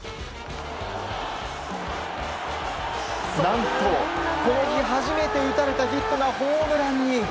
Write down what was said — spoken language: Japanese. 何と、この日初めて打たれたヒットがホームランに。